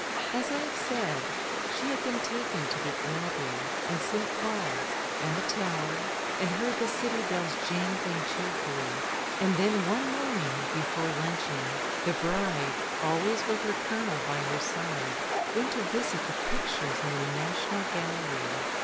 As I have said, she had been taken to the Abbey and St. Paul's, and the Tower, and heard the city bells jangling cheerfully, and tjien one morning be fore luncheon the bride (always with her Colonel by her side) went to visit the pictures in the National Gallery.